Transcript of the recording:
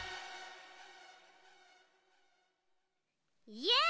イエイ！